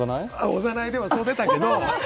おざないではそう出たけど。